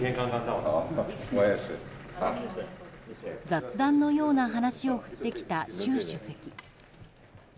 雑談のような話を振ってきた習主席。